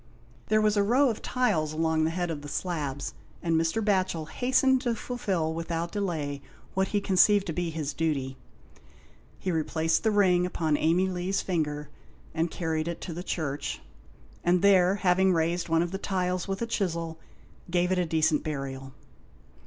There was a row of tiles along the head of the slabs, and Mr. Batchel hastened to fulfil without delay, what he conceived to be his duty. He replaced the ring upon Amey Lee's finger and carried it into the church, and there, having raised one of the tiles with a chisel, gave it decent burial.